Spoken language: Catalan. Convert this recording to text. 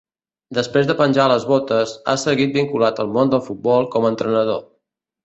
Després de penjar les botes, ha seguit vinculat al món del futbol com a entrenador.